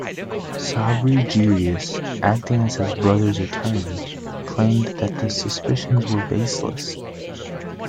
Sabri Jiryis, acting as his brothers attorney, claimed that the suspicions were baseless.